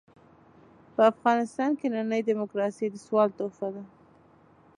په افغانستان کې ننۍ ډيموکراسي د سوال تحفه ده.